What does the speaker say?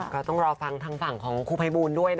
ก็ต้องรอฟังทางฝั่งของครูไพบุตรด้วยนะ